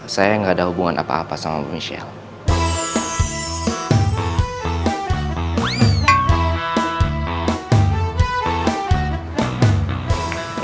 saya nggak ada hubungan apa apa sama michelle